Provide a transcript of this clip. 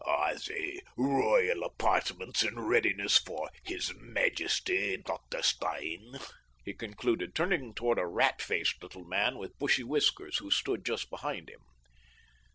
"Are the royal apartments in readiness for his majesty, Dr. Stein?" he concluded, turning toward a rat faced little man with bushy whiskers, who stood just behind him.